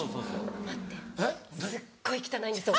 待ってすっごい汚いんですよ